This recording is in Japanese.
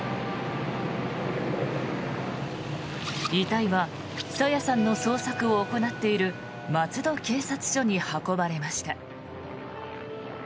遺体は朝芽さんの捜索を行っている松戸警察署に運ばれました。